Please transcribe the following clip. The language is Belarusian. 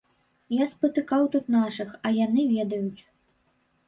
Я спатыкаў тут нашых, а яны ведаюць.